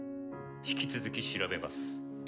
引き続き調べます。